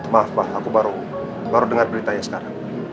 maaf ma aku baru dengar berita ya sekarang